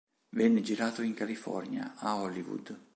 Venne girato In California, a Hollywood.